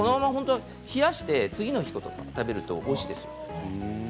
冷やして次の日食べるとおいしいですよ。